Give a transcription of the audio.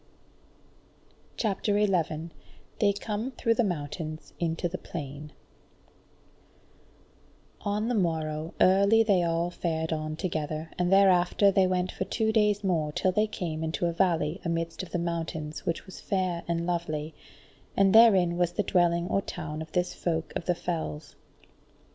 CHAPTER 11 They Come Through the Mountains Into the Plain On the morrow early they all fared on together, and thereafter they went for two days more till they came into a valley amidst of the mountains which was fair and lovely, and therein was the dwelling or town of this Folk of the Fells.